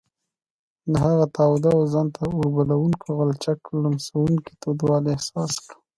د هغه تاوده او ځان ته اوربلوونکي غلچک لمسوونکی تودوالی احساس کړ.